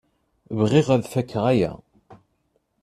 Bɣiɣ ad fakeɣ aya.